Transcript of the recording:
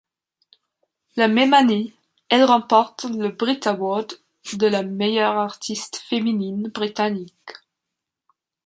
La même année, elle remporte le Brit Award de la meilleure artiste féminine britannique.